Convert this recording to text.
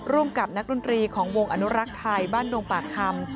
ร่วมกับนักดนตรีของวงอนุรักษ์ไทยบ้านดงปากคำ